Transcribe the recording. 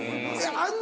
あんの？